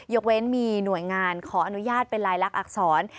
ยกเว้นมีหน่วยงานขออนุญาตเป็นลายลักษณอักษร